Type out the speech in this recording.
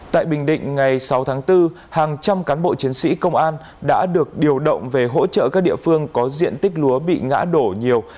tại bình định ngày sáu tháng bốn hàng trăm cán bộ chiến sĩ công an đã được điều động về hỗ trợ các địa phương có diện tích lúa bị ngã đổ nhiều